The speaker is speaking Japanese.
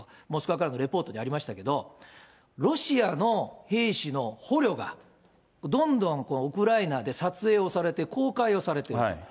モスクワからのレポートにありましたけれども、ロシアの兵士の捕虜が、どんどんウクライナで撮影をされて、公開をされてる。